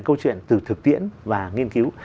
câu chuyện từ thực tiễn và nghiên cứu